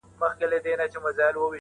د نیکه ږغ،